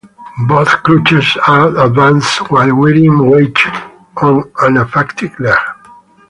Both crutches are advanced while bearing weight on unaffected leg.